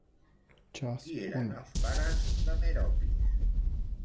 Qui eren els pares de Mèropis?